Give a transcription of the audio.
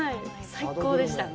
最高でしたね。